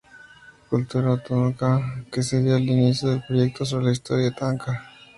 Cultura Autóctona"", que sería el inicio del proyecto sobre la Historia de Tacna.